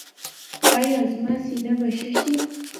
ایا زما سینه به ښه شي؟